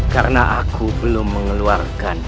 karena aku belum mengeluarkan